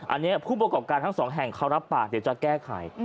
อันนี้ผู้ประกอบการทั้งสองแห่งเขารับปากเดี๋ยวจะแก้ไข